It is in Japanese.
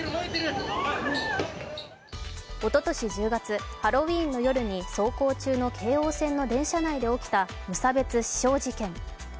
おととし１０月、ハロウィーンの夜に走行中の京王線の電車内で起きた無差別刺傷事件。